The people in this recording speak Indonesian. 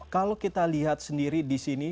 kalau kita lihat sendiri di sini